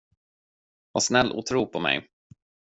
Var snäll och tro på mig.